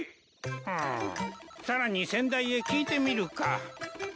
うむさらに先代へ聞いてみるか。